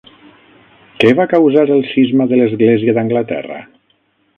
Què va causar el Cisma de l'Església d'Anglaterra?